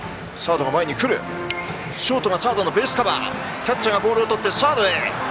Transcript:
キャッチャーがボールをとってサードへ。